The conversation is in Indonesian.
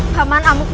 paman amat berhenti